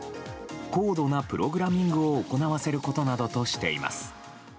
高度なプログラミングを行わせることなどとしています。